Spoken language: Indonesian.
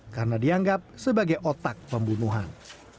karena dianggap sebagai otak pembunuhan